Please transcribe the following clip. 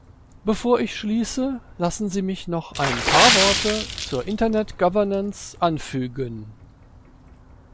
Bevor ich schließe, lassen Sie mich noch ein paar Worte zur Internet-Governance anfügen.